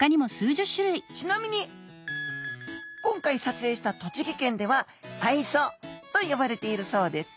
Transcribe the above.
ちなみに今回撮影した栃木県では「あいそ」と呼ばれているそうです